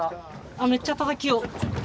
めっちゃたたきよる。